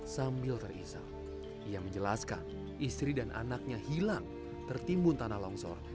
sambil terisak ia menjelaskan istri dan anaknya hilang tertimbun tanah longsor